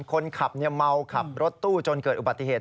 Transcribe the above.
คนขับเมาขับรถตู้จนเกิดอุบัติเหตุ